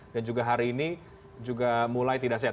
dan juga hari ini juga mulai tidak sehat